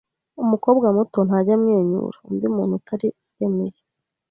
Umukobwa muto ntajya amwenyura undi muntu utari Emily.